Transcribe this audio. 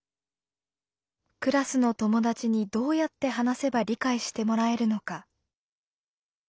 クラスの友達にどうやって話せば理解してもらえるのか。